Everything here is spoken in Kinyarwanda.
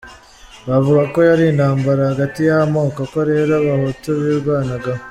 Bavuga ko yari intambara hagati y’amoko, ko rero Abahutu birwanagaho.